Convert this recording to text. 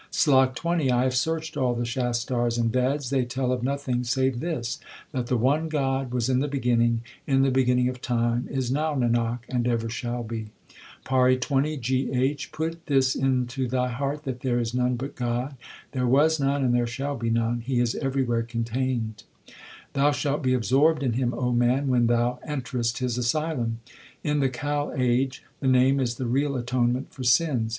SLOK XX I have searched all the Shastars and Veds ; they tell of nothing save this, That the one God was in the beginning, in the beginning of time, is now, Nanak, and ever shall be. PAURI XX G H. Put this into thy heart that there is none but God; There was none, and there shall be none : He is every where contained. 1 The torture inflicted by the god of death. HYMNS OF GURU ARJAN 179 Thou shall be absorbed * in Him, O man, when thou enter est His asylum. In the Kal age the Name is the real atonement for sins.